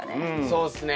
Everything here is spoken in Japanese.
そうっすね。